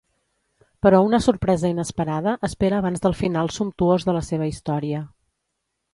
Però una sorpresa inesperada espera abans del final sumptuós de la seva història.